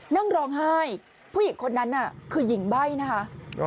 นั่งร้องไห้ผู้หญิงคนนั้นน่ะคือหญิงใบ้นะคะ